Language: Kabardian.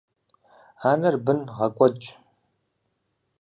Анэр бын гъэкӀуэдщ.